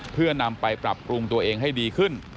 เพื่อนำไปปรับปรุงตัวเองให้ดีขึ้น